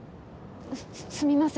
すみません。